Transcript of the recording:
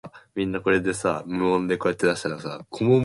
Silvers attended the Palisades Charter High School where she pursued tennis.